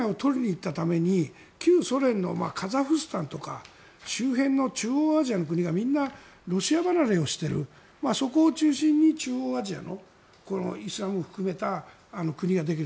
もう１つはロシアが一番失ったのはウクライナを取りに行ったために旧ソ連のカザフスタンとか周辺の中央アジアの国がみんなロシア離れをしているそこを中心に中央アジアのイスラムを含めた国ができる。